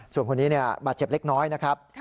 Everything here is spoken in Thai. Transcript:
ส่วนคนนี้บาดเจ็บเล็กน้อยนะครับ